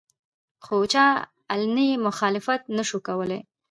خو چا علني مخالفت نشو کولې